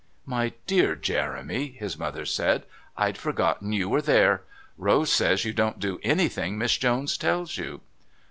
"My dear Jeremy," his mother said, "I'd forgotten you were there. Rose says you don't do anything Miss Jones tells you."